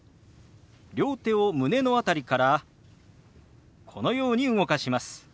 両手を胸の辺りからこのように動かします。